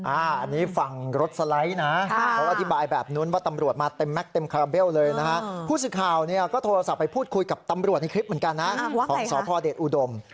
อันนี้ฝั่งรถสไลด์นะเขาอธิบายแบบนู้นว่าตำรวจมาเต็มแก๊กเต็มคาราเบลเลยนะฮะผู้สื่อข่าวเนี่ยก็โทรศัพท์ไปพูดคุยกับตำรวจในคลิปเหมือนกันนะของสพเดชอุดม